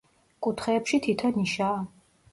კუთხეებში თითო ნიშაა.